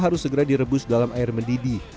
harus segera direbus dalam air mendidih